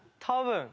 多分。